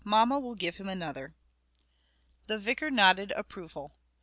"Mamma will give him another." The vicar nodded approval.